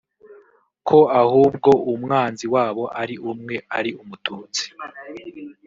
ko ahubwo umwanzi wabo ari umwe ari Umututsi